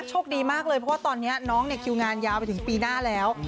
โชคดีมากเลยเพราะว่าตอนนี้น้องเนี่ยคิวงานยาวไปถึงปีหน้าแล้ว